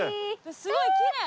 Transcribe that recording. すごいきれい！